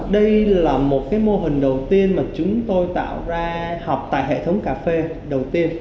đây là một mô hình đầu tiên mà chúng tôi tạo ra học tại hệ thống cà phê đầu tiên